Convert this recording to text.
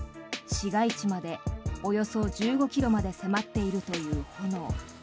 市街地までおよそ１５ｋｍまで迫っているという炎。